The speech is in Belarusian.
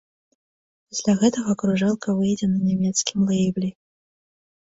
Пасля гэтага кружэлка выйдзе на нямецкім лэйбле.